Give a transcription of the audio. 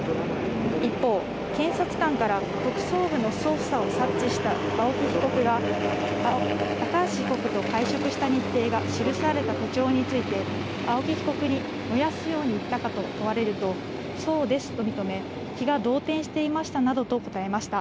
一方、検察官から特捜部の捜査を察知した青木被告が、高橋被告と会食した日程が記された手帳について、青木被告に燃やすように言ったかと問われると、そうですと認め、気が動転していましたなどと答えました。